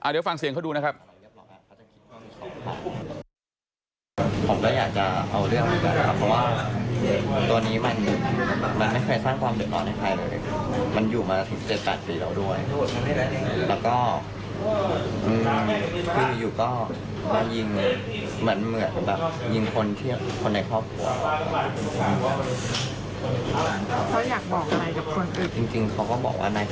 เดี๋ยวฟังเสียงเขาดูนะครับ